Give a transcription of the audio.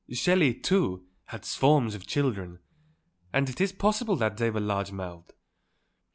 Shelley, too, had swarms of children, and it is possible that they were large mouthed.